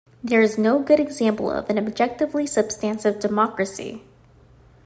There is no good example of an objectively substantive democracy.